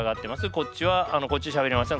こっちはこっちしゃべりません。